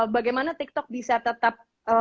bagaimana tiktok bisa tetap